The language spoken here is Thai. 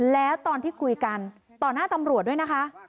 แล้วตอนที่คุยกันต่อหน้าตำรวจด้วยนะคะ